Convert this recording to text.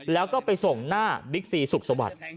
แล้วก็ไปส่งหน้าบิ๊กซีสุขสวัสดิ์